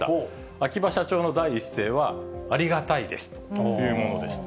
秋葉社長の第一声は、ありがたいですというものでした。